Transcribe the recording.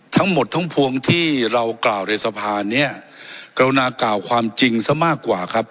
ทั้งหมดทั้งพวงที่เรากล่าวในสะพานเนี้ยกรุณากล่าวความจริงซะมากกว่าครับ